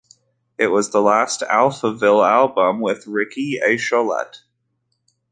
It is the last Alphaville album with Ricky Echolette.